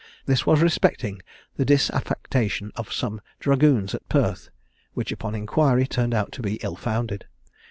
This was respecting the disaffection of some dragoons at Perth, which upon inquiry turned out to be ill founded.